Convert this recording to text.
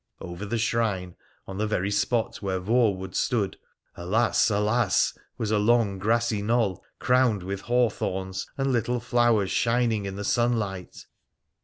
Over the shrine, on the very spot where Voewood stood — alas ! alas !— was a long grassy knoll, crowned with hawthorns and little flowers shining in the sunlight.